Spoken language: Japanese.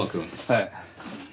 はい。